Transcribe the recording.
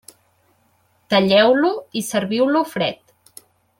Talleu-lo i serviu-lo fred.